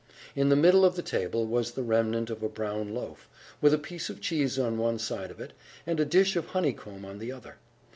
In the middle of the table was the remnant of a brown loaf, with a piece of cheese on one side of it, and a dish of honeycomb on the other.